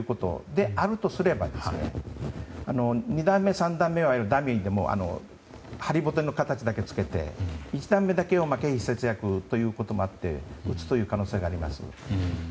であるとすれば２段目、３段目はダミーで張りぼての形だけつけて１段目だけ経費節約ということもあって撃つ可能性もあります。